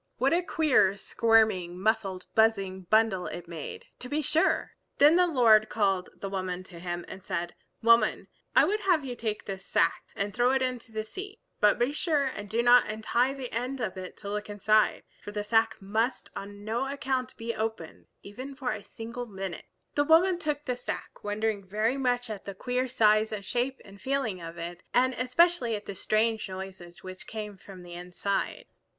What a queer, squirming, muffled buzzing bundle it made, to be sure! Then the Lord called the woman to him and said, "Woman, I would have you take this sack and throw it into the sea. But be sure and do not untie the end of it to look inside; for the sack must on no account be opened, even for a single minute." The woman took the sack, wondering very much at the queer size and shape and feeling of it, and especially at the strange noises which came from the inside.